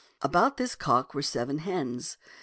About this cock were seven hens.